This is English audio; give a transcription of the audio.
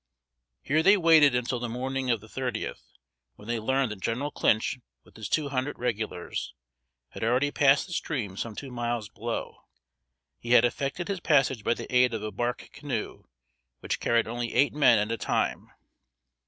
Here they waited until the morning of the thirtieth, when they learned that General Clinch, with his two hundred Regulars, had already passed the stream some two miles below. He had effected his passage by the aid of a bark canoe, which carried only eight men at a time.